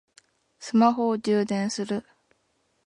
スマホを充電する